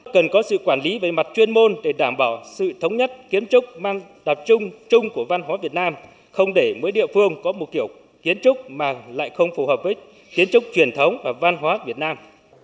cần có sự quản lý về mặt chuyên môn để đảm bảo sự thống nhất kiến trúc mang tập trung chung của văn hóa việt nam không để mỗi địa phương có một kiểu kiến trúc mà lại không phù hợp với kiến trúc truyền thống và văn hóa việt nam